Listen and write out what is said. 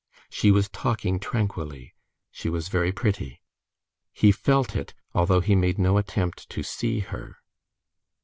She was talking tranquilly. She was very pretty. He felt it, although he made no attempt to see her.